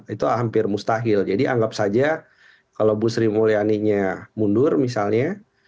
itu hampir mustahil jadi anggap saja kalau ibu sri mulyani nya mundur misalnya